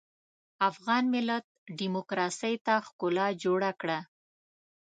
افغان ملت ډيموکراسۍ ته ښکلا جوړه کړه.